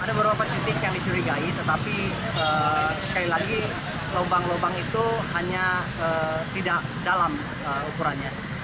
ada beberapa titik yang dicurigai tetapi sekali lagi lubang lubang itu hanya tidak dalam ukurannya